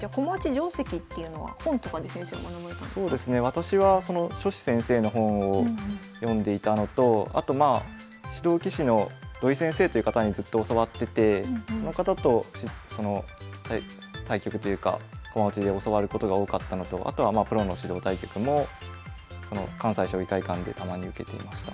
私は所司先生の本を読んでいたのとあとまあ指導棋士の土井先生という方にずっと教わっててその方と対局というか駒落ちで教わることが多かったのとあとはまあプロの指導対局も関西将棋会館でたまに受けていました。